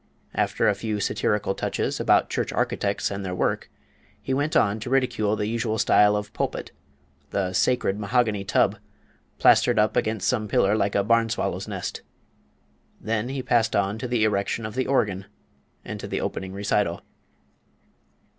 After a few satirical touches about church architects and their work, he went on to ridicule the usual style of pulpit the "sacred mahogany tub" "plastered up against some pillar like a barn swallow's nest." Then he passed on to the erection of the organ, and to the opening recital.